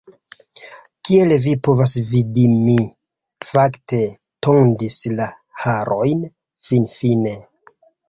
Kiel vi povas vidi mi, fakte, tondis la harojn, finfine.